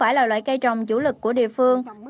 phải là loại cây trồng chủ lực của địa phương